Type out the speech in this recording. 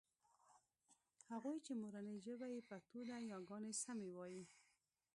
هغوی چې مورنۍ ژبه يې پښتو ده یاګانې سمې وايي